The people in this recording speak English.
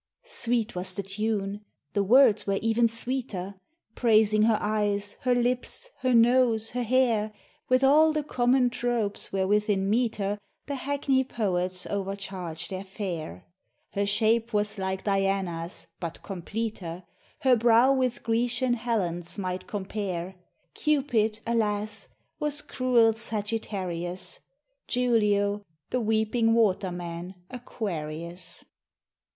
Sweet was the tune the words were even sweeter Praising her eyes, her lips, her nose, her hair, With all the common tropes wherewith in metre The hackney poets overcharge their fair. Her shape was like Diana's, but completer; Her brow with Grecian Helen's might compare: Cupid, alas! was cruel Sagittarius, Julio the weeping water man Aquarius.